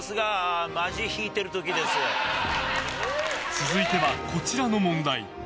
続いては、こちらの問題。